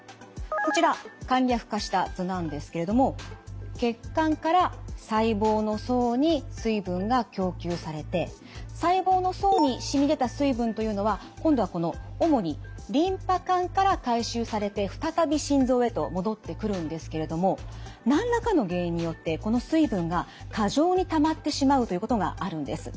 こちら簡略化した図なんですけれども血管から細胞の層に水分が供給されて細胞の層にしみ出た水分というのは今度はこの主にリンパ管から回収されて再び心臓へと戻ってくるんですけれども何らかの原因によってこの水分が過剰にたまってしまうということがあるんです。